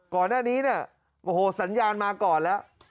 ก่อนหน้านี้เนี่ยโอ้โหสัญญาณมาก่อนแล้ว